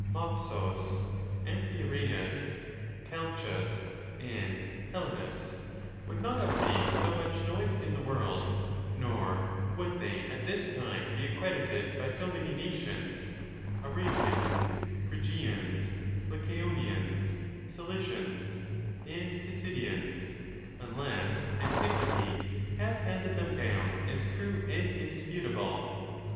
Mopsus,' Amphiaraus,* Calchas,> and Helenus,® would not have made so much noise in the world, nor would they at this time be accredited by so many nations, —Arabians, Phrygians, Lycaonians, Cilicians and Pisidians+— unless antiquity had handed them down as true and indis putable.